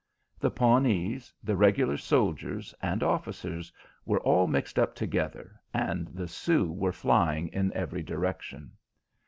The Pawnees, the regular soldiers, and officers were all mixed up together, and the Sioux were flying in every direction.